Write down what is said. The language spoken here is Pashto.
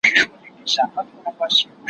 زه هره ورځ د سبا لپاره د نوي لغتونو يادوم!.